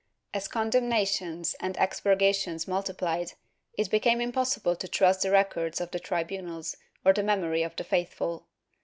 As condemnations and expurga tions multiplied, it became impossible to trust the records of the tribunals or the memory of the faithful.